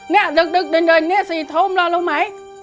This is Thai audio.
เนี่ยดึกเดินเนี่ยสี่โทมรอรู้ไหม